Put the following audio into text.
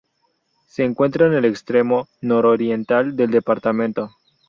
Se encuentra en el extremo nororiental del departamento.